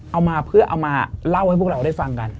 เอามาเพื่อเอามาเล่าให้พวกเราได้ฟังกัน